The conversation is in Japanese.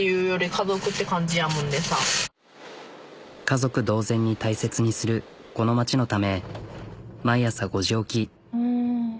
家族同然に大切にするこの町のため毎朝５時起き。